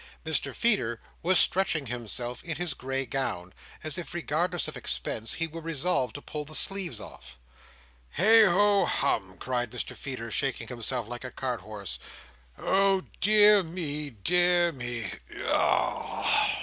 Mr Feeder was stretching himself in his grey gown, as if, regardless of expense, he were resolved to pull the sleeves off. "Heigh ho hum!" cried Mr Feeder, shaking himself like a cart horse. "Oh dear me, dear me!